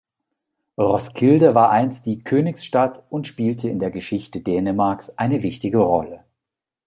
Roskilde war einst die Königsstadt und spielte in der Geschichte Dänemarks eine wichtige Rolle.